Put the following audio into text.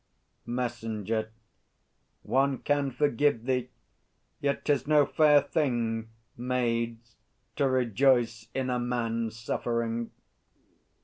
MESSENGER. One can forgive thee! Yet 'tis no fair thing, Maids, to rejoice in a man's suffering.